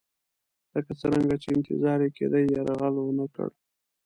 لکه څرنګه چې انتظار یې کېدی یرغل ونه کړ.